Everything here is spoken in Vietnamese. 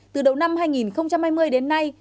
từ đầu năm hai nghìn hai mươi đến nay